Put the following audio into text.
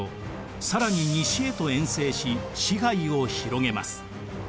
更に西へと遠征し支配を広げます。